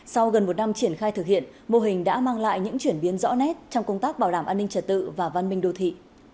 sau gần một năm triển khai thực hiện mô hình đã mang lại những chuyển biến rõ nét trong công tác bảo đảm an ninh trật tự và văn minh đô thị